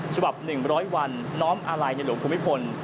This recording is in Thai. ฉบับ๑๐๐วันน้อมอาลัยในหลวงภูมิพล